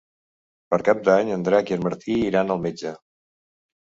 Per Cap d'Any en Drac i en Martí iran al metge.